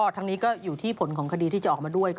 ทั้งนี้ก็อยู่ที่ผลของคดีที่จะออกมาด้วย